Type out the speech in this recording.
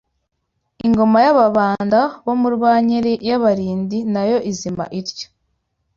Ingoma y’Ababanda bo mu Rwankeli y’Abalindi nayo izima ityo